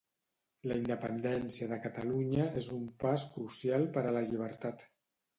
La independència de Catalunya és un pas crucial per a la llibertat